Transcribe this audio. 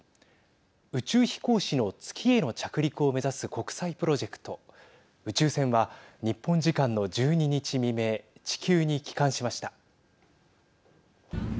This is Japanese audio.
宇宙飛行士の月への着陸を目指す国際プロジェクト宇宙船は日本時間の１２日未明地球に帰還しました。